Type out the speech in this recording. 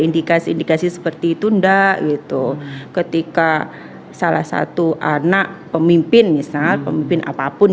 indikasi indikasi seperti itu enggak gitu ketika salah satu anak pemimpin misal pemimpin apapun